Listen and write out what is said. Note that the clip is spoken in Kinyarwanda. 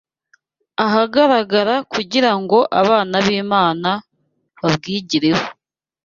ahagaragara kugira ngo abana b’Imana babwigireho